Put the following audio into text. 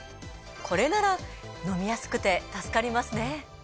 これなら飲みやすくて助かりますね。